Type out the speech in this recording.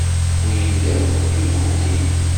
Wwin-d akk timkeḥlin.